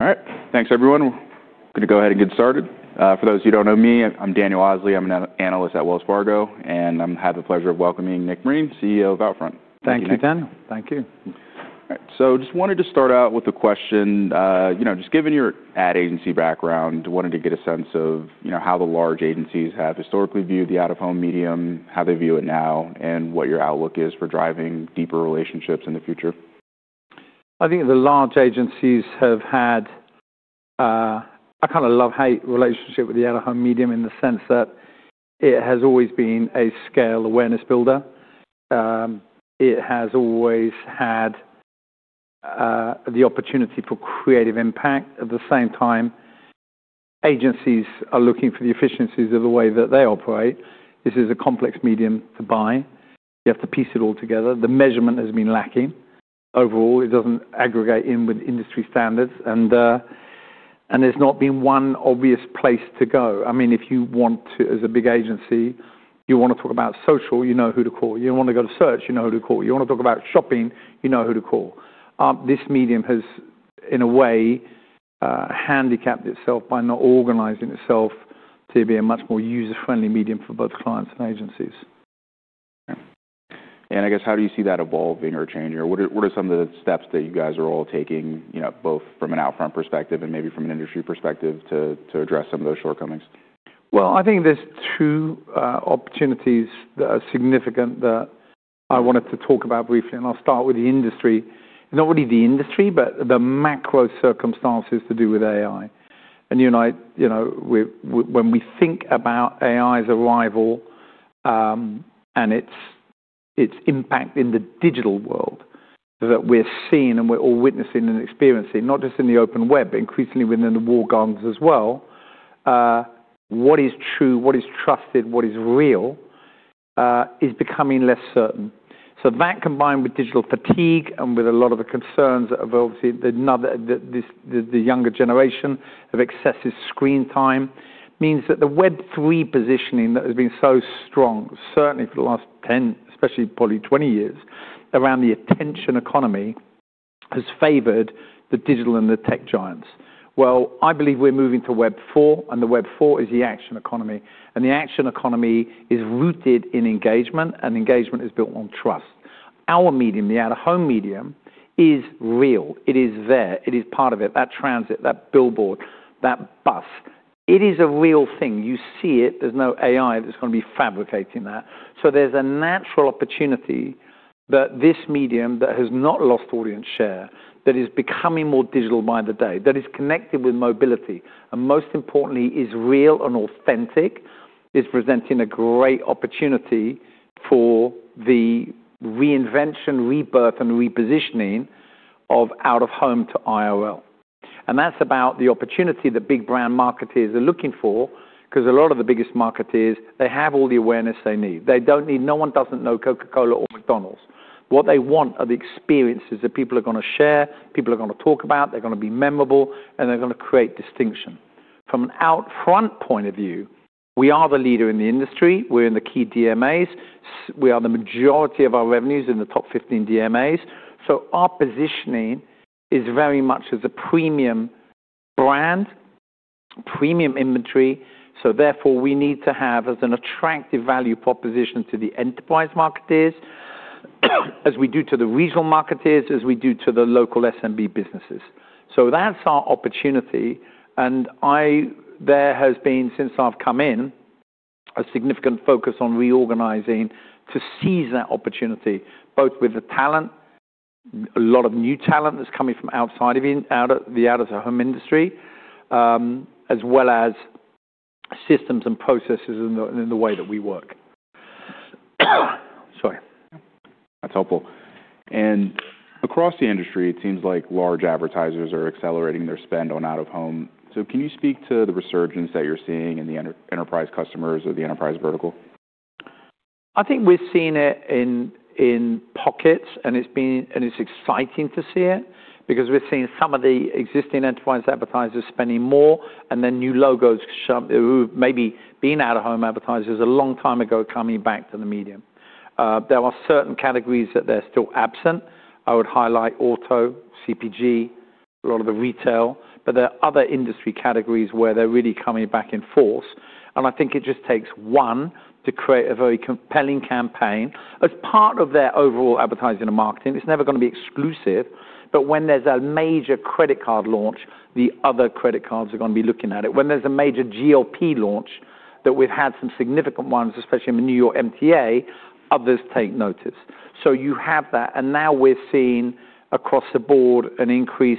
All right. Thanks, everyone. We're going to go ahead and get started. For those who don't know me, I'm Daniel Osley. I'm an analyst at Wells Fargo, and I'm happy to welcome Nick Brien, CEO of OUTFRONT. Thank you, Daniel. Thank you. All right. Just wanted to start out with a question. Just given your ad agency background, wanted to get a sense of how the large agencies have historically viewed the out-of-home medium, how they view it now, and what your outlook is for driving deeper relationships in the future. I think the large agencies have had—I kind of love how you relate to the out-of-home medium in the sense that it has always been a scale awareness builder. It has always had the opportunity for creative impact. At the same time, agencies are looking for the efficiencies of the way that they operate. This is a complex medium to buy. You have to piece it all together. The measurement has been lacking. Overall, it does not aggregate in with industry standards, and there has not been one obvious place to go. I mean, if you want to, as a big agency, you want to talk about social, you know who to call. You want to go to search, you know who to call. You want to talk about shopping, you know who to call. This medium has, in a way, handicapped itself by not organizing itself to be a much more user-friendly medium for both clients and agencies. I guess, how do you see that evolving or changing? What are some of the steps that you guys are all taking, both from an OUTFRONT perspective and maybe from an industry perspective, to address some of those shortcomings? I think there's two opportunities that are significant that I wanted to talk about briefly. I'll start with the industry—not really the industry, but the macro circumstances to do with AI. You and I, when we think about AI's arrival and its impact in the digital world that we're seeing and we're all witnessing and experiencing, not just in the open web, but increasingly within the walled gardens as well, what is true, what is trusted, what is real, is becoming less certain. That, combined with digital fatigue and with a lot of the concerns of, obviously, the younger generation of excessive screen time, means that the Web3 positioning that has been so strong, certainly for the last 10, especially probably 20 years, around the attention economy, has favored the digital and the tech giants. I believe we're moving to Web4, and the Web4 is the action economy. The action economy is rooted in engagement, and engagement is built on trust. Our medium, the out-of-home medium, is real. It is there. It is part of it. That transit, that billboard, that bus, it is a real thing. You see it. There's no AI that's going to be fabricating that. There is a natural opportunity that this medium that has not lost audience share, that is becoming more digital by the day, that is connected with mobility, and most importantly, is real and authentic, is presenting a great opportunity for the reinvention, rebirth, and repositioning of out-of-home to IRL. That's about the opportunity that big brand marketers are looking for because a lot of the biggest marketers, they have all the awareness they need. No one doesn't know Coca-Cola or McDonald's. What they want are the experiences that people are going to share, people are going to talk about, they're going to be memorable, and they're going to create distinction. From an OUTRONT point of view, we are the leader in the industry. We're in the key DMAs. We are the majority of our revenues in the top 15 DMAs. Our positioning is very much as a premium brand, premium inventory. Therefore, we need to have an attractive value proposition to the enterprise marketers, as we do to the regional marketers, as we do to the local SMB businesses. That's our opportunity. There has been, since I've come in, a significant focus on reorganizing to seize that opportunity, both with the talent, a lot of new talent that's coming from outside of the out-of-home industry, as well as systems and processes in the way that we work. Sorry. That's helpful. Across the industry, it seems like large advertisers are accelerating their spend on out-of-home. Can you speak to the resurgence that you're seeing in the enterprise customers or the enterprise vertical? I think we've seen it in pockets, and it's exciting to see it because we're seeing some of the existing enterprise advertisers spending more, and then new logos who maybe have been out-of-home advertisers a long time ago coming back to the medium. There are certain categories that are still absent. I would highlight auto, CPG, a lot of the retail, but there are other industry categories where they're really coming back in force. I think it just takes one to create a very compelling campaign as part of their overall advertising and marketing. It's never going to be exclusive, but when there's a major credit card launch, the other credit cards are going to be looking at it. When there's a major GLP launch that we've had some significant ones, especially in the New York MTA, others take notice. You have that. We're seeing across the board an increase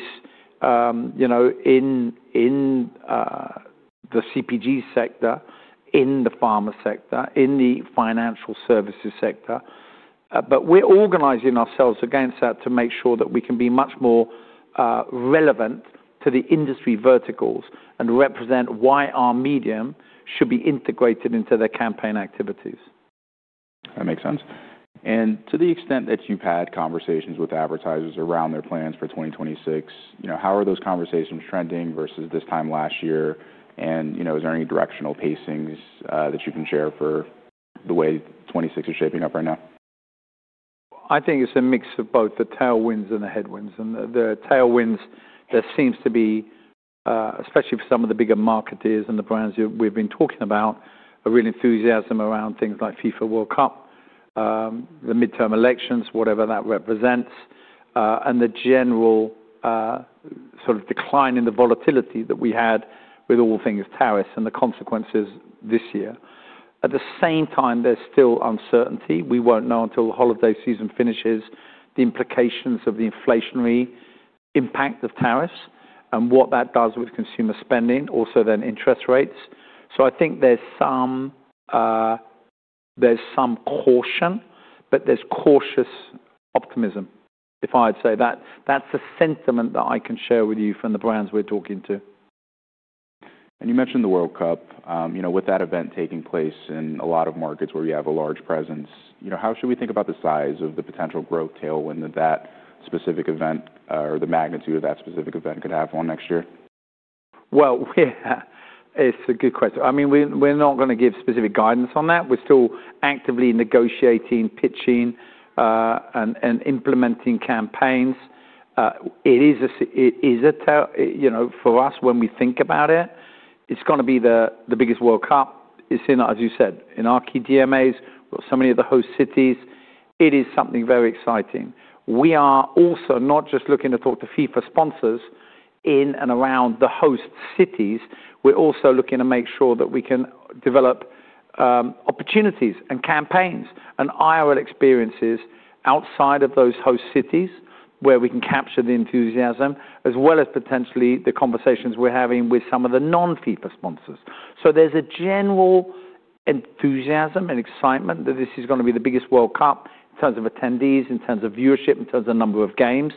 in the CPG sector, in the pharma sector, in the financial services sector. We are organizing ourselves against that to make sure that we can be much more relevant to the industry verticals and represent why our medium should be integrated into their campaign activities. That makes sense. To the extent that you've had conversations with advertisers around their plans for 2026, how are those conversations trending versus this time last year? Is there any directional pacings that you can share for the way 2026 is shaping up right now? I think it's a mix of both the tailwinds and the headwinds. The tailwinds, there seems to be, especially for some of the bigger marketers and the brands we've been talking about, a real enthusiasm around things like FIFA World Cup, the midterm elections, whatever that represents, and the general sort of decline in the volatility that we had with all things tariffs and the consequences this year. At the same time, there's still uncertainty. We won't know until the holiday season finishes the implications of the inflationary impact of tariffs and what that does with consumer spending, also then interest rates. I think there's some caution, but there's cautious optimism, if I had to say that. That's the sentiment that I can share with you from the brands we're talking to. You mentioned the World Cup. With that event taking place in a lot of markets where you have a large presence, how should we think about the size of the potential growth tailwind that that specific event or the magnitude of that specific event could have for next year? It's a good question. I mean, we're not going to give specific guidance on that. We're still actively negotiating, pitching, and implementing campaigns. It is a tail for us when we think about it. It's going to be the biggest World Cup. As you said, in our key DMAs, so many of the host cities, it is something very exciting. We are also not just looking to talk to FIFA sponsors in and around the host cities. We're also looking to make sure that we can develop opportunities and campaigns and IRL experiences outside of those host cities where we can capture the enthusiasm, as well as potentially the conversations we're having with some of the non-FIFA sponsors. There's a general enthusiasm and excitement that this is going to be the biggest World Cup in terms of attendees, in terms of viewership, in terms of number of games.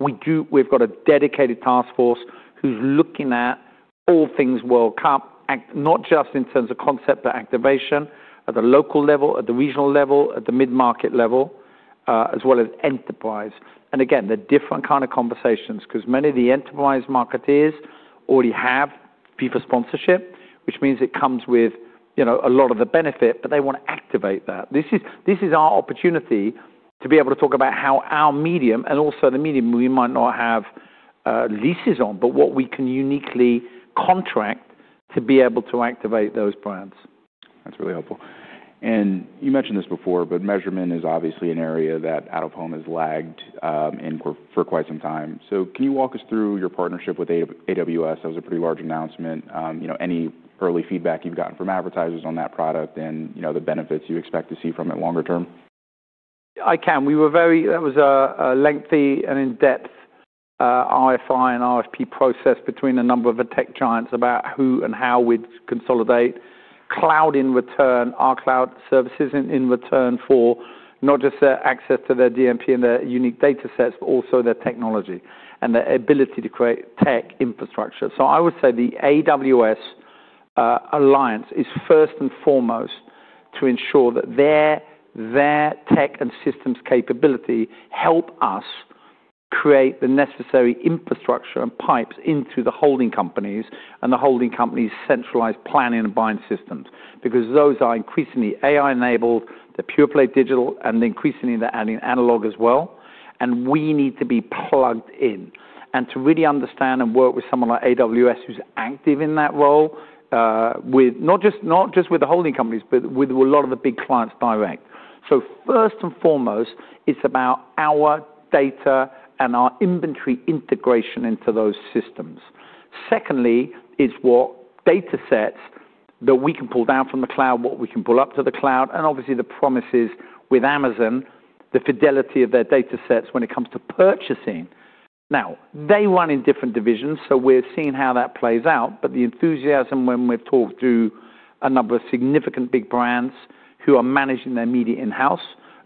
We've got a dedicated task force who's looking at all things World Cup, not just in terms of concept, but activation at the local level, at the regional level, at the mid-market level, as well as enterprise. Again, they're different kinds of conversations because many of the enterprise marketers already have FIFA sponsorship, which means it comes with a lot of the benefit, but they want to activate that. This is our opportunity to be able to talk about how our medium and also the medium we might not have leases on, but what we can uniquely contract to be able to activate those brands. That's really helpful. You mentioned this before, but measurement is obviously an area that out-of-home has lagged for quite some time. Can you walk us through your partnership with AWS? That was a pretty large announcement. Any early feedback you've gotten from advertisers on that product and the benefits you expect to see from it longer term? I can. That was a lengthy and in-depth RFI and RFP process between a number of the tech giants about who and how we'd consolidate cloud in return, our cloud services in return for not just their access to their DMP and their unique data sets, but also their technology and their ability to create tech infrastructure. I would say the AWS alliance is first and foremost to ensure that their tech and systems capability helps us create the necessary infrastructure and pipes into the holding companies and the holding companies' centralized planning and buying systems because those are increasingly AI-enabled. They're pure play digital, and increasingly they're adding analog as well. We need to be plugged in. To really understand and work with someone like AWS who's active in that role, not just with the holding companies, but with a lot of the big clients direct. First and foremost, it's about our data and our inventory integration into those systems. Secondly, it's what data sets that we can pull down from the cloud, what we can pull up to the cloud, and obviously the promises with Amazon, the fidelity of their data sets when it comes to purchasing. Now, they run in different divisions, so we're seeing how that plays out. The enthusiasm when we've talked to a number of significant big brands who are managing their media in-house,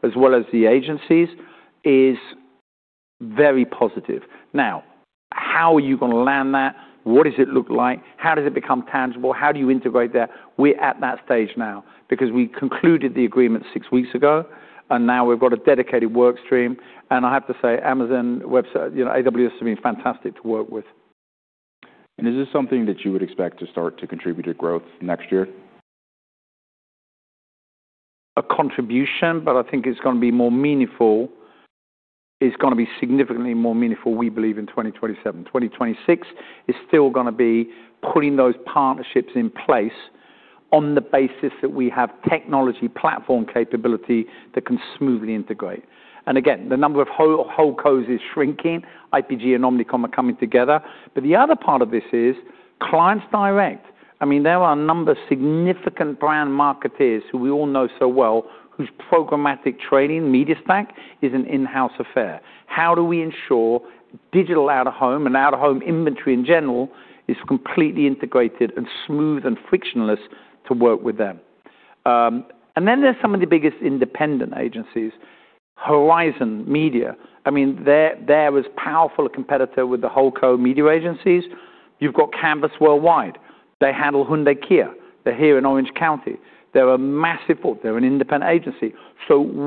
as well as the agencies, is very positive. Now, how are you going to land that? What does it look like? How does it become tangible? How do you integrate there? We're at that stage now because we concluded the agreement six weeks ago, and now we've got a dedicated workstream. I have to say, Amazon AWS has been fantastic to work with. Is this something that you would expect to start to contribute to growth next year? A contribution, but I think it's going to be more meaningful. It's going to be significantly more meaningful, we believe, in 2027. 2026 is still going to be putting those partnerships in place on the basis that we have technology platform capability that can smoothly integrate. Again, the number of holdco is shrinking, IPG and Omnicom are coming together. The other part of this is clients direct. I mean, there are a number of significant brand marketers who we all know so well whose programmatic training media stack is an in-house affair. How do we ensure digital out-of-home and out-of-home inventory in general is completely integrated and smooth and frictionless to work with them? There are some of the biggest independent agencies, Horizon Media. I mean, they're as powerful a competitor with the holdco media agencies. You've got Canvas Worldwide. They handle Hyundai Kia. They're here in Orange County. They're a massive board. They're an independent agency.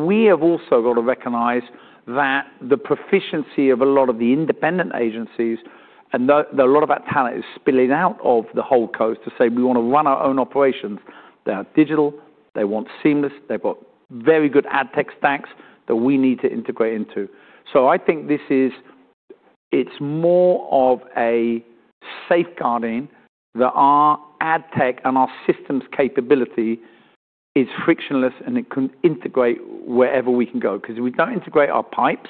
We have also got to recognize that the proficiency of a lot of the independent agencies and a lot of that talent is spilling out of the whole code to say, "We want to run our own operations." They're digital. They want seamless. They've got very good ad tech stacks that we need to integrate into. I think it's more of a safeguarding that our ad tech and our systems capability is frictionless and it can integrate wherever we can go because if we don't integrate our pipes,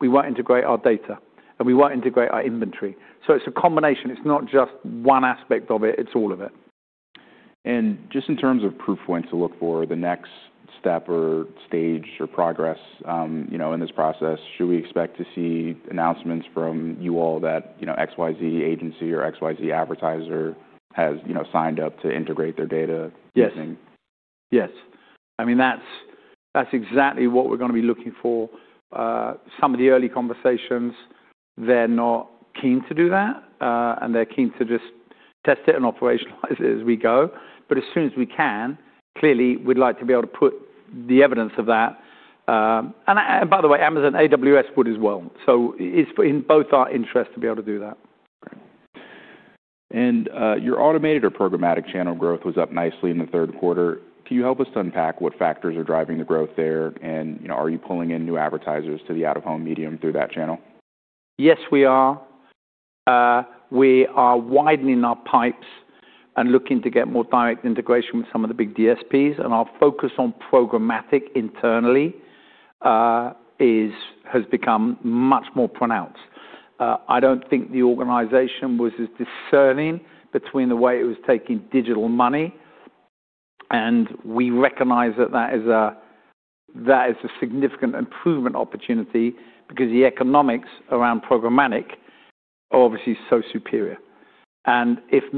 we won't integrate our data, and we won't integrate our inventory. It's a combination. It's not just one aspect of it. It's all of it. Just in terms of proof points to look for, the next step or stage or progress in this process, should we expect to see announcements from you all that XYZ agency or XYZ advertiser has signed up to integrate their data? Yes. Yes. I mean, that's exactly what we're going to be looking for. Some of the early conversations, they're not keen to do that, and they're keen to just test it and operationalize it as we go. As soon as we can, clearly, we'd like to be able to put the evidence of that. By the way, Amazon AWS would as well. It is in both our interests to be able to do that. Your automated or programmatic channel growth was up nicely in the third quarter. Can you help us to unpack what factors are driving the growth there? Are you pulling in new advertisers to the out-of-home medium through that channel? Yes, we are. We are widening our pipes and looking to get more direct integration with some of the big DSPs. Our focus on programmatic internally has become much more pronounced. I do not think the organization was as discerning between the way it was taking digital money. We recognize that that is a significant improvement opportunity because the economics around programmatic are obviously so superior. If the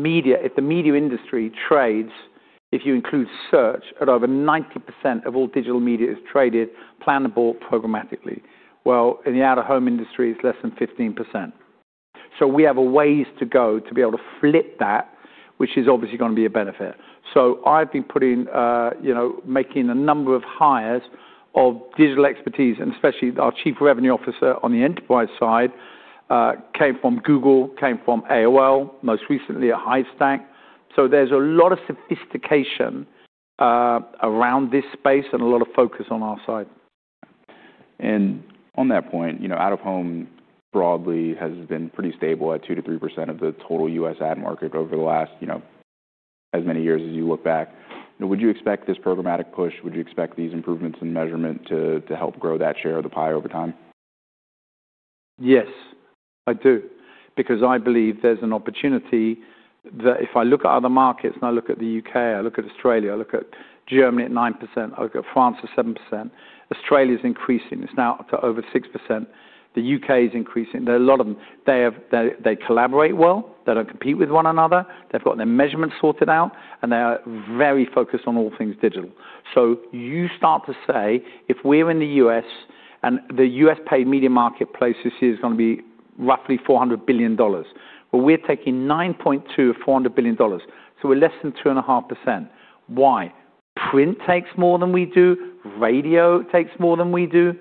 media industry trades, if you include search, and over 90% of all digital media is traded plannable programmatically, in the out-of-home industry, it is less than 15%. We have a ways to go to be able to flip that, which is obviously going to be a benefit. I have been making a number of hires of digital expertise, and especially our Chief Revenue Officer on the enterprise side came from Google, came from AOL, most recently at Highstack. There's a lot of sophistication around this space and a lot of focus on our side. Out-of-home broadly has been pretty stable at 2-3% of the total US ad market over the last as many years as you look back. Would you expect this programmatic push? Would you expect these improvements in measurement to help grow that share of the pie over time? Yes, I do, because I believe there's an opportunity that if I look at other markets and I look at the U.K., I look at Australia, I look at Germany at 9%, I look at France at 7%. Australia's increasing. It's now up to over 6%. The U.K. is increasing. There are a lot of them. They collaborate well. They don't compete with one another. They've got their measurement sorted out, and they are very focused on all things digital. You start to say, "If we're in the U.S. and the U.S. paid media marketplace this year is going to be roughly $400 billion, we're taking 9.2 of $400 billion. We're less than 2.5%." Why? Print takes more than we do. Radio takes more than we do.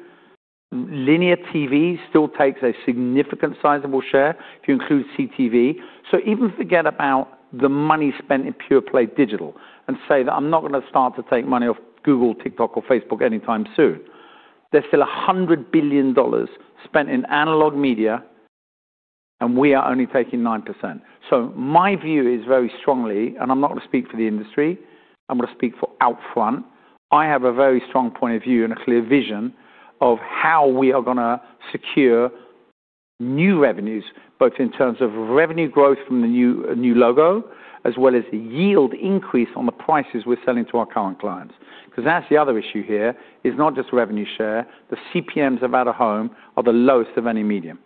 Linear TV still takes a significant sizable share if you include CTV. Even forget about the money spent in pure play digital and say that I'm not going to start to take money off Google, TikTok, or Facebook anytime soon. There's still $100 billion spent in analog media, and we are only taking 9%. My view is very strongly, and I'm not going to speak for the industry. I'm going to speak for OUTFRONT. I have a very strong point of view and a clear vision of how we are going to secure new revenues, both in terms of revenue growth from the new logo as well as the yield increase on the prices we're selling to our current clients. Because that's the other issue here is not just revenue share. The CPMs of out-of-home are the lowest of any medium.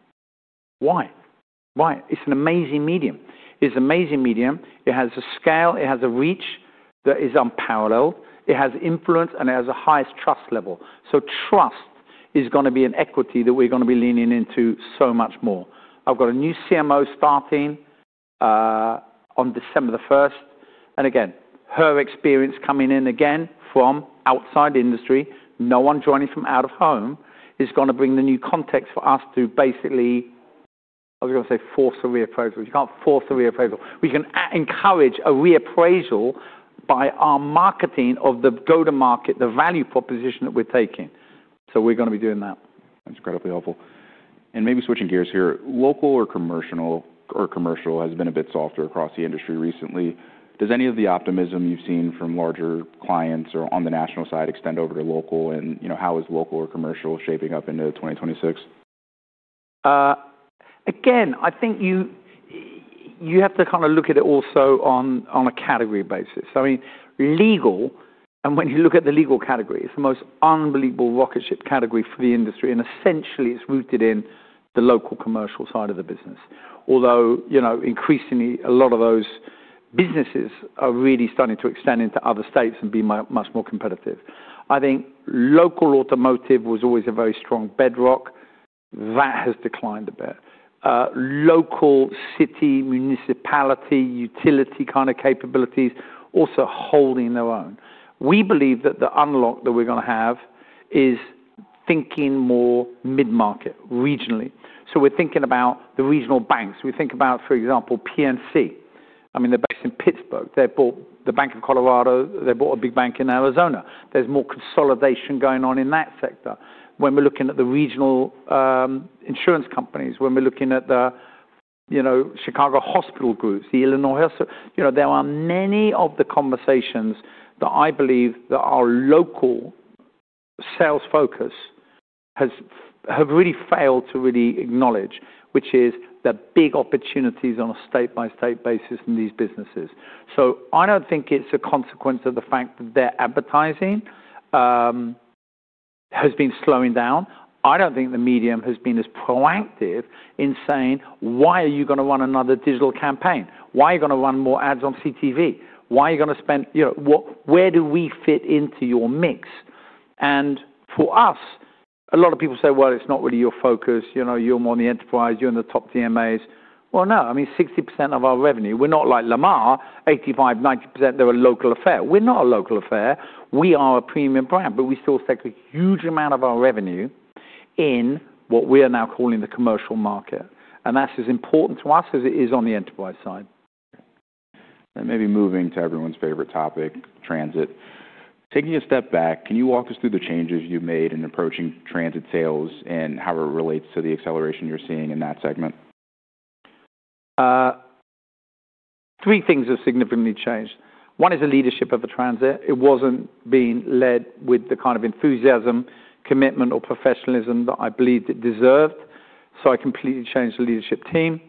Why? Why? It's an amazing medium. It's an amazing medium. It has a scale. It has a reach that is unparalleled. It has influence, and it has the highest trust level. Trust is going to be an equity that we're going to be leaning into so much more. I've got a new CMO starting on December the 1st. Again, her experience coming in again from outside industry, no one joining from out-of-home, is going to bring the new context for us to basically, I was going to say, force a reappraisal. You can't force a reappraisal. We can encourage a reappraisal by our marketing of the go-to-market, the value proposition that we're taking. We are going to be doing that. That's incredibly helpful. Maybe switching gears here, local or commercial has been a bit softer across the industry recently. Does any of the optimism you've seen from larger clients or on the national side extend over to local? How is local or commercial shaping up into 2026? Again, I think you have to kind of look at it also on a category basis. I mean, legal, and when you look at the legal category, it's the most unbelievable rocket ship category for the industry. And essentially, it's rooted in the local commercial side of the business. Although increasingly, a lot of those businesses are really starting to extend into other states and be much more competitive. I think local automotive was always a very strong bedrock. That has declined a bit. Local city, municipality, utility kind of capabilities also holding their own. We believe that the unlock that we're going to have is thinking more mid-market regionally. So we're thinking about the regional banks. We think about, for example, PNC. I mean, they're based in Pittsburgh. They bought the Bank of Colorado. They bought a big bank in Arizona. There's more consolidation going on in that sector. When we're looking at the regional insurance companies, when we're looking at the Chicago Hospital Group, the Illinois Hospital, there are many of the conversations that I believe that our local sales focus have really failed to really acknowledge, which is the big opportunities on a state-by-state basis in these businesses. I don't think it's a consequence of the fact that their advertising has been slowing down. I don't think the medium has been as proactive in saying, "Why are you going to run another digital campaign? Why are you going to run more ads on CTV? Why are you going to spend? Where do we fit into your mix?" For us, a lot of people say, "Well, it's not really your focus. You're more in the enterprise. You're in the top DMAs." No. I mean, 60% of our revenue, we're not like Lamar, 85-90%, they're a local affair. We're not a local affair. We are a premium brand, but we still take a huge amount of our revenue in what we are now calling the commercial market. And that's as important to us as it is on the enterprise side. Maybe moving to everyone's favorite topic, transit. Taking a step back, can you walk us through the changes you've made in approaching transit sales and how it relates to the acceleration you're seeing in that segment? Three things have significantly changed. One is the leadership of the transit. It wasn't being led with the kind of enthusiasm, commitment, or professionalism that I believed it deserved. I completely changed the leadership team,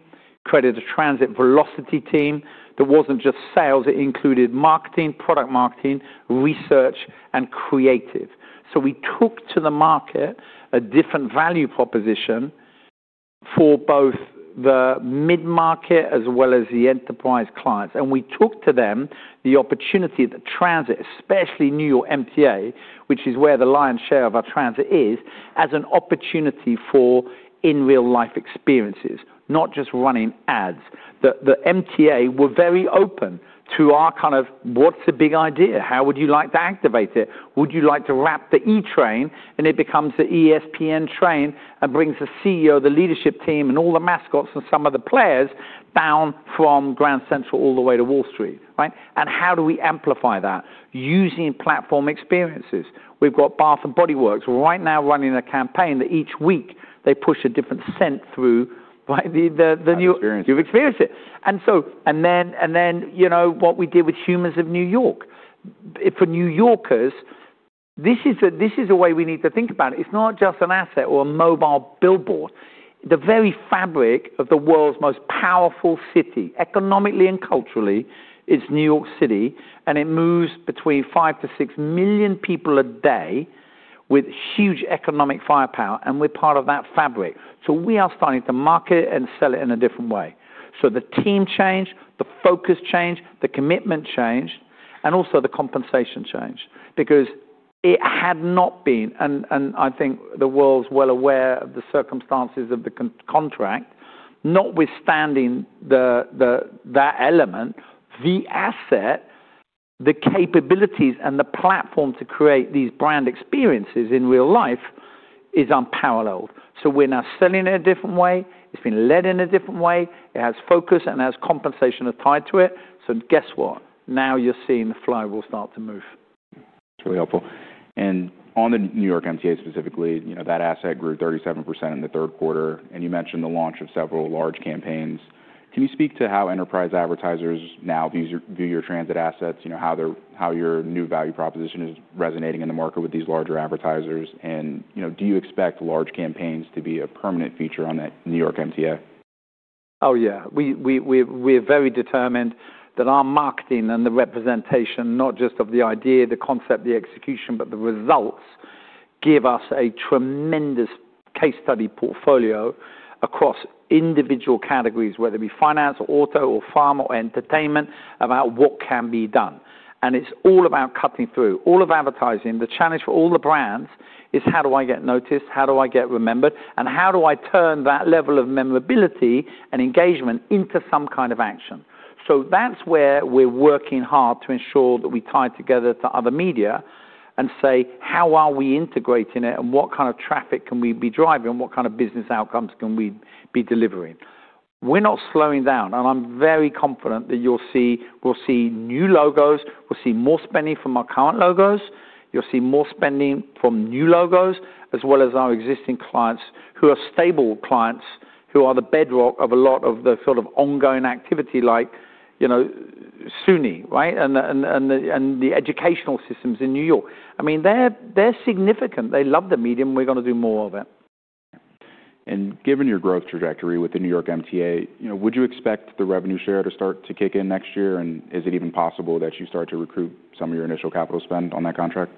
created a transit velocity team. That wasn't just sales. It included marketing, product marketing, research, and creative. We took to the market a different value proposition for both the mid-market as well as the enterprise clients. We took to them the opportunity that transit, especially New York MTA, which is where the lion's share of our transit is, as an opportunity for in-real-life experiences, not just running ads. The MTA were very open to our kind of, "What's the big idea? How would you like to activate it? Would you like to wrap the E-train? It becomes the ESPN train and brings the CEO, the leadership team, and all the mascots and some of the players down from Grand Central all the way to Wall Street. Right? How do we amplify that? Using platform experiences. We've got Bath and Body Works right now running a campaign that each week they push a different scent through. Experience. You've experienced it. What we did with Humans of New York—for New Yorkers, this is a way we need to think about it. It's not just an asset or a mobile billboard. The very fabric of the world's most powerful city, economically and culturally, is New York City. It moves between 5-6 million people a day with huge economic firepower. We are part of that fabric. We are starting to market it and sell it in a different way. The team changed, the focus changed, the commitment changed, and also the compensation changed because it had not been—and I think the world's well aware of the circumstances of the contract—notwithstanding that element, the asset, the capabilities, and the platform to create these brand experiences in real life is unparalleled. We are now selling it a different way. It's been led in a different way. It has focus, and it has compensation tied to it. Guess what? Now you're seeing the flywheel start to move. That's really helpful. On the New York MTA specifically, that asset grew 37% in the third quarter. You mentioned the launch of several large campaigns. Can you speak to how enterprise advertisers now view your transit assets, how your new value proposition is resonating in the market with these larger advertisers? Do you expect large campaigns to be a permanent feature on that New York MTA? Oh, yeah. We're very determined that our marketing and the representation, not just of the idea, the concept, the execution, but the results, give us a tremendous case study portfolio across individual categories, whether it be finance, or auto, or pharma, or entertainment, about what can be done. It's all about cutting through. All of advertising, the challenge for all the brands is, "How do I get noticed? How do I get remembered? And how do I turn that level of memorability and engagement into some kind of action?" That's where we're working hard to ensure that we tie together to other media and say, "How are we integrating it? And what kind of traffic can we be driving? And what kind of business outcomes can we be delivering?" We're not slowing down. I'm very confident that you'll see we'll see new logos. We'll see more spending from our current logos. You'll see more spending from new logos as well as our existing clients who are stable clients who are the bedrock of a lot of the sort of ongoing activity like SUNY, right, and the educational systems in New York. I mean, they're significant. They love the medium. We're going to do more of it. Given your growth trajectory with the New York MTA, would you expect the revenue share to start to kick in next year? Is it even possible that you start to recoup some of your initial capital spend on that contract?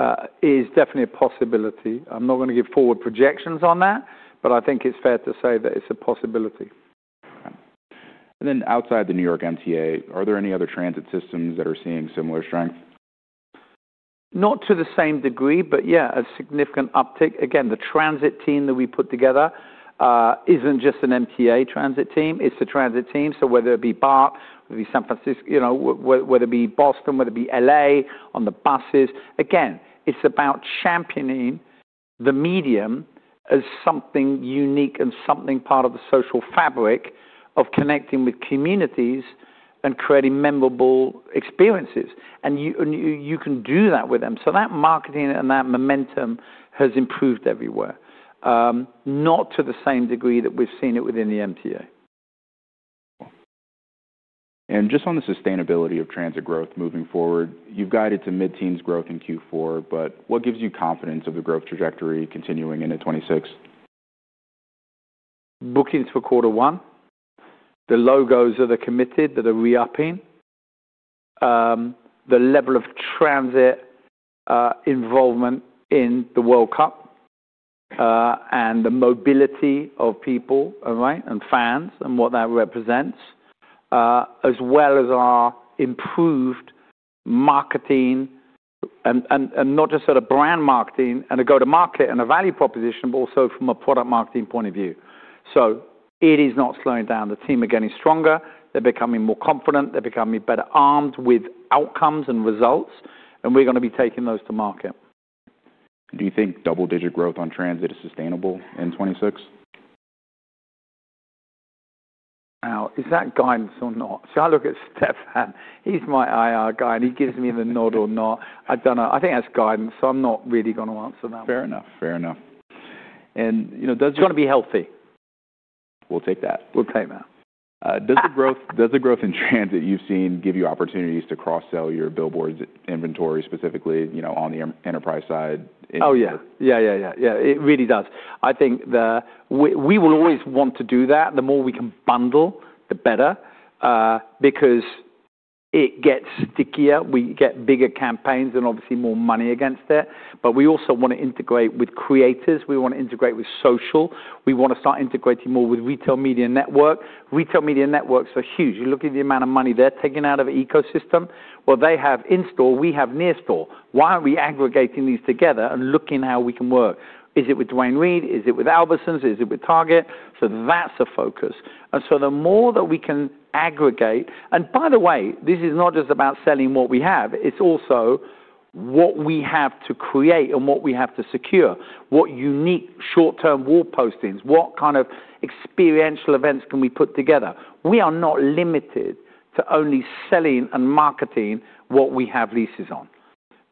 It is definitely a possibility. I'm not going to give forward projections on that, but I think it's fair to say that it's a possibility. Outside the New York MTA, are there any other transit systems that are seeing similar strength? Not to the same degree, but yeah, a significant uptick. Again, the transit team that we put together is not just an MTA transit team. It is a transit team. Whether it be Bath, whether it be San Francisco, whether it be Boston, whether it be LA on the buses. It is about championing the medium as something unique and something part of the social fabric of connecting with communities and creating memorable experiences. You can do that with them. That marketing and that momentum has improved everywhere, not to the same degree that we have seen it within the MTA. Just on the sustainability of transit growth moving forward, you've guided to mid-teens growth in Q4, but what gives you confidence of the growth trajectory continuing into 2026? Bookings for quarter one. The logos are the committed that are re-upping, the level of transit involvement in the World Cup, and the mobility of people, right, and fans and what that represents, as well as our improved marketing and not just sort of brand marketing and a go-to-market and a value proposition, but also from a product marketing point of view. It is not slowing down. The team are getting stronger. They're becoming more confident. They're becoming better armed with outcomes and results. We're going to be taking those to market. Do you think double-digit growth on transit is sustainable in 2026? Now, is that guidance or not? I look at Stephan. He's my IR guy. He gives me the nod or not. I do not know. I think that's guidance. I am not really going to answer that. Fair enough. Fair enough. Does. It's going to be healthy. We'll take that. We'll take that. Does the growth in transit you've seen give you opportunities to cross-sell your billboards inventory specifically on the enterprise side? Oh, yeah. Yeah, yeah, yeah. It really does. I think we will always want to do that. The more we can bundle, the better because it gets stickier. We get bigger campaigns and obviously more money against it. We also want to integrate with creators. We want to integrate with social. We want to start integrating more with retail media network. Retail media networks are huge. You look at the amount of money they're taking out of the ecosystem. They have in-store. We have near-store. Why aren't we aggregating these together and looking at how we can work? Is it with Dwayne Reed? Is it with Albertsons? Is it with Target? That is a focus. The more that we can aggregate—and by the way, this is not just about selling what we have. It's also what we have to create and what we have to secure. What unique short-term wall postings? What kind of experiential events can we put together? We are not limited to only selling and marketing what we have leases on.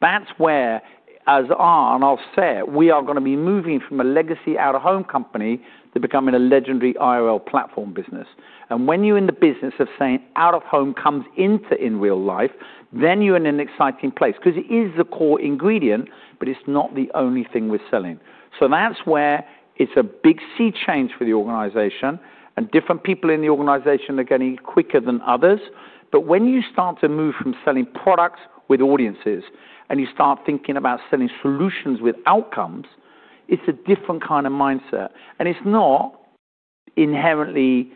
That's where, as Arne, I'll say it, we are going to be moving from a legacy out-of-home company to becoming a legendary IRL platform business. When you're in the business of saying out-of-home comes into in-real life, you are in an exciting place because it is the core ingredient, but it's not the only thing we're selling. That's where it's a big sea change for the organization. Different people in the organization are getting quicker than others. When you start to move from selling products with audiences and you start thinking about selling solutions with outcomes, it's a different kind of mindset. It is not inherently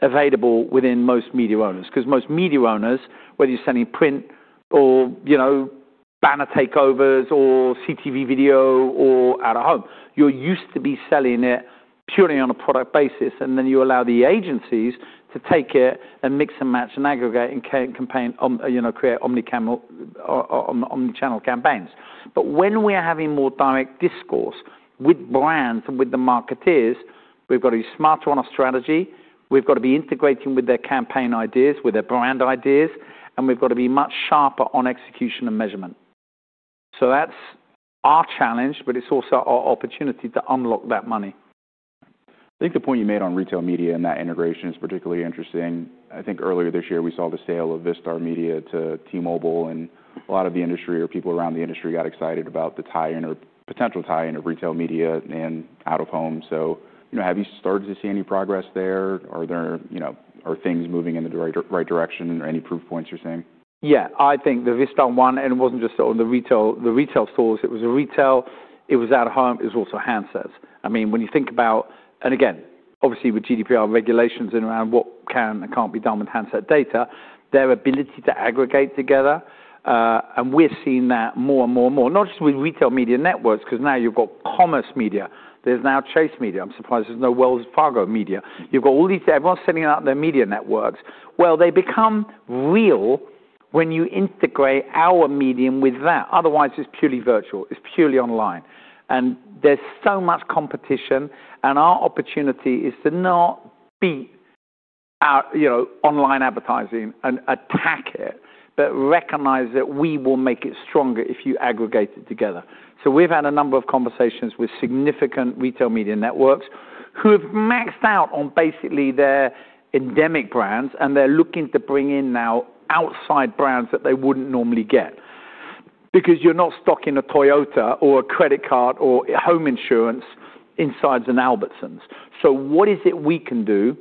available within most media owners because most media owners, whether you're selling print or banner takeovers or CTV video or out-of-home, you are used to be selling it purely on a product basis. You allow the agencies to take it and mix and match and aggregate and create omnichannel campaigns. When we are having more direct discourse with brands and with the marketeers, we have got to be smarter on our strategy. We have got to be integrating with their campaign ideas, with their brand ideas. We have got to be much sharper on execution and measurement. That is our challenge, but it is also our opportunity to unlock that money. I think the point you made on retail media and that integration is particularly interesting. I think earlier this year, we saw the sale of Vistar Media to T-Mobile. A lot of the industry or people around the industry got excited about the potential tie-in of retail media and out-of-home. Have you started to see any progress there? Are things moving in the right direction or any proof points you are seeing? Yeah. I think the Vistar one—and it was not just on the retail stores—it was retail. It was out-of-home. It was also handsets. I mean, when you think about—and again, obviously with GDPR regulations and around what can and cannot be done with handset data, their ability to aggregate together. I mean, we are seeing that more and more and more, not just with retail media networks because now you have got commerce media. There is now Chase Media. I am surprised there is no Wells Fargo media. You have got all these—everyone is sending out their media networks. They become real when you integrate our medium with that. Otherwise, it is purely virtual. It is purely online. There is so much competition. Our opportunity is to not beat online advertising and attack it, but recognize that we will make it stronger if you aggregate it together. We've had a number of conversations with significant retail media networks who have maxed out on basically their endemic brands. They're looking to bring in now outside brands that they wouldn't normally get because you're not stocking a Toyota or a credit card or home insurance inside an Albertsons. What is it we can do?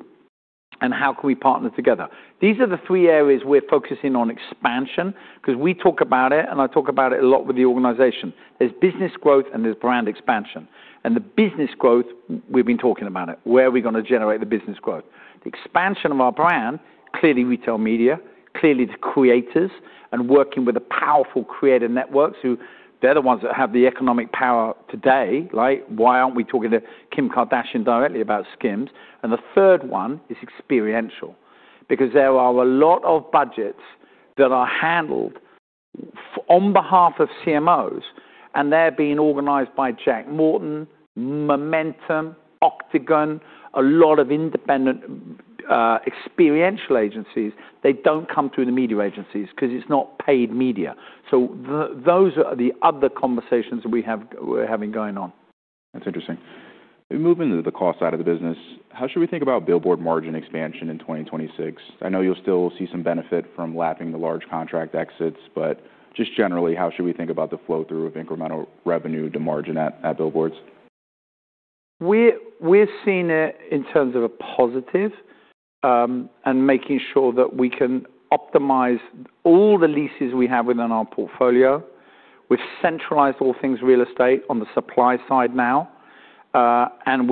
How can we partner together? These are the three areas we're focusing on expansion because we talk about it. I talk about it a lot with the organization. There's business growth, and there's brand expansion. The business growth, we've been talking about it. Where are we going to generate the business growth? The expansion of our brand, clearly retail media, clearly the creators, and working with the powerful creator networks who—they're the ones that have the economic power today. Right? Why are not we talking to Kim Kardashian directly about Skims? The third one is experiential because there are a lot of budgets that are handled on behalf of CMOs. They are being organized by Jack Morton, Momentum, Octagon, a lot of independent experiential agencies. They do not come through the media agencies because it is not paid media. Those are the other conversations we are having going on. That's interesting. Moving to the cost side of the business, how should we think about billboard margin expansion in 2026? I know you'll still see some benefit from lapping the large contract exits, but just generally, how should we think about the flow-through of incremental revenue to margin at billboards? We're seeing it in terms of a positive and making sure that we can optimize all the leases we have within our portfolio. We've centralized all things real estate on the supply side now. And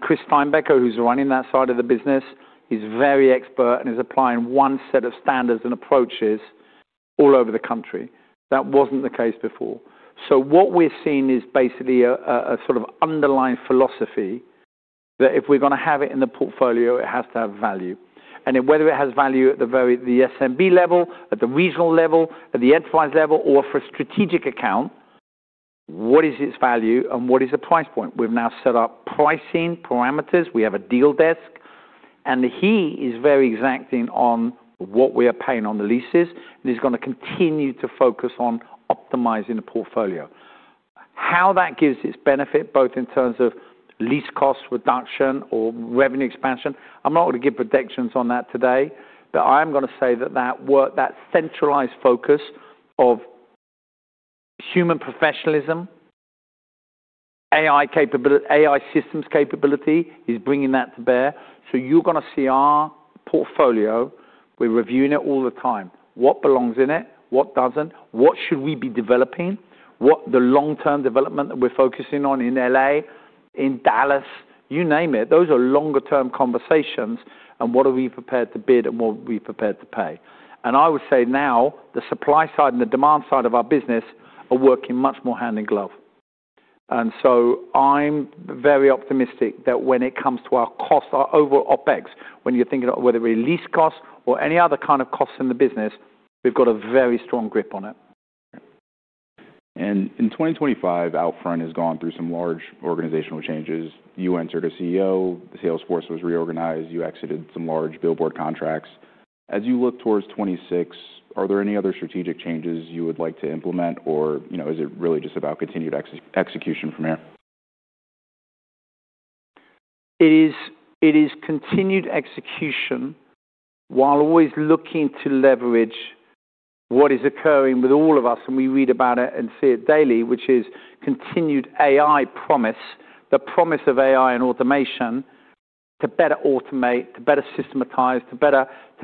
Chris Steinbecker, who's running that side of the business, he's very expert and is applying one set of standards and approaches all over the country. That was not the case before. What we're seeing is basically a sort of underlying philosophy that if we're going to have it in the portfolio, it has to have value. Whether it has value at the SMB level, at the regional level, at the enterprise level, or for a strategic account, what is its value and what is the price point? We've now set up pricing parameters. We have a deal desk. He is very exacting on what we are paying on the leases. He is going to continue to focus on optimizing the portfolio. How that gives its benefit, both in terms of lease cost reduction or revenue expansion, I am not going to give predictions on that today. I am going to say that that centralized focus of human professionalism, AI systems capability is bringing that to bear. You are going to see our portfolio. We are reviewing it all the time. What belongs in it? What does not? What should we be developing? What the long-term development that we are focusing on in LA, in Dallas, you name it. Those are longer-term conversations. What are we prepared to bid and what are we prepared to pay? I would say now the supply side and the demand side of our business are working much more hand in glove. I'm very optimistic that when it comes to our cost, our overall OpEx, when you're thinking about whether it be lease cost or any other kind of cost in the business, we've got a very strong grip on it. In 2025, OUTFRONT has gone through some large organizational changes. You entered a CEO. The sales force was reorganized. You exited some large billboard contracts. As you look towards 2026, are there any other strategic changes you would like to implement? Is it really just about continued execution from here? It is continued execution while always looking to leverage what is occurring with all of us. We read about it and see it daily, which is continued AI promise, the promise of AI and automation to better automate, to better systematize, to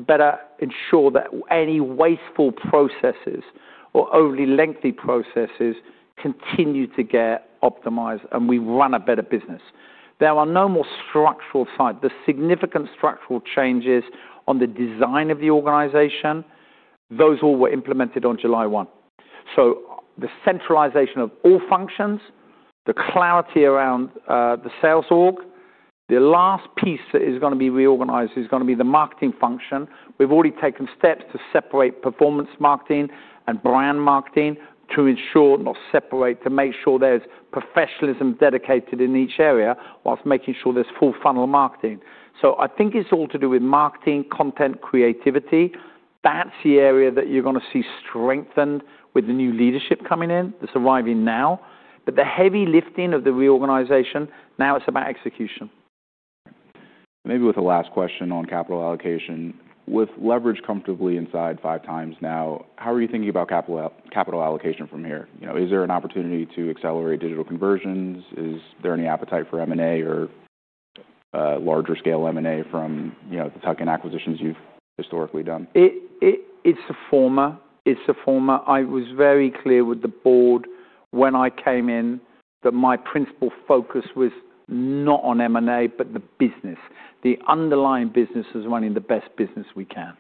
better ensure that any wasteful processes or overly lengthy processes continue to get optimized and we run a better business. There are no more structural side. The significant structural changes on the design of the organization, those all were implemented on July 1. The centralization of all functions, the clarity around the sales org, the last piece that is going to be reorganized is going to be the marketing function. We've already taken steps to separate performance marketing and brand marketing to ensure, not separate, to make sure there's professionalism dedicated in each area whilst making sure there's full funnel marketing. I think it's all to do with marketing, content, creativity. That's the area that you're going to see strengthened with the new leadership coming in that's arriving now. The heavy lifting of the reorganization, now it's about execution. Maybe with the last question on capital allocation. With leverage comfortably inside five times now, how are you thinking about capital allocation from here? Is there an opportunity to accelerate digital conversions? Is there any appetite for M&A or larger-scale M&A from the tuck-in acquisitions you've historically done? It's a former. I was very clear with the board when I came in that my principal focus was not on M&A, but the business. The underlying business is running the best business we can.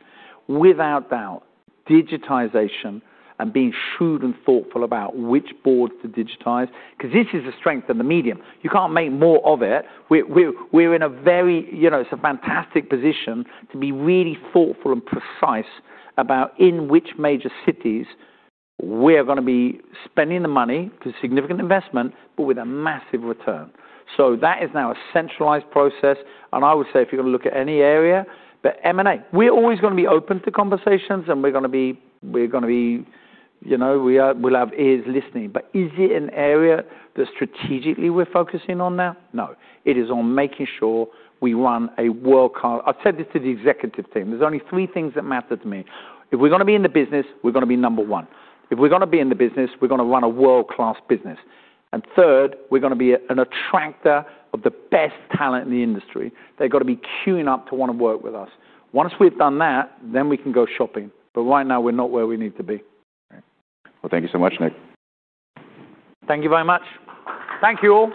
Without doubt, digitization and being shrewd and thoughtful about which boards to digitize because this is a strength of the medium. You can't make more of it. We're in a very—it's a fantastic position to be really thoughtful and precise about in which major cities we're going to be spending the money for significant investment, but with a massive return. That is now a centralized process. I would say if you're going to look at any area, the M&A. We're always going to be open to conversations. We're going to be—we'll have ears listening. Is it an area that strategically we're focusing on now? No. It is on making sure we run a world-class—I have said this to the executive team. There are only three things that matter to me. If we are going to be in the business, we are going to be number one. If we are going to be in the business, we are going to run a world-class business. Third, we are going to be an attractor of the best talent in the industry. They have got to be queuing up to want to work with us. Once we have done that, we can go shopping. Right now, we are not where we need to be. Thank you so much, Nick. Thank you very much. Thank you all.